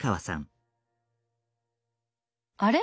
あれ？